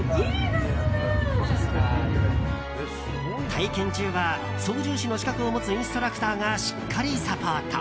体験中は、操縦士の資格を持つインストラクターがしっかりサポート。